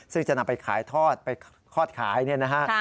ซึ่งจะนำไปขายทอดไปคลอดขายเนี่ยนะฮะ